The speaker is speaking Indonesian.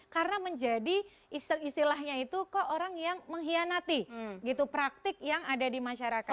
karena menjadi istilahnya itu kok orang yang mengkhianati gitu praktik yang ada di masyarakat